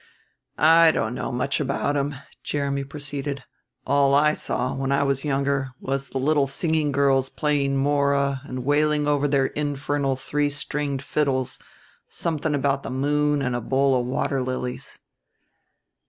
"I don't know much about 'em," Jeremy proceeded. "All I saw, when I was younger, was the little singing girls playing mora and wailing over their infernal three stringed fiddles something about the moon and a bowl of water lilies."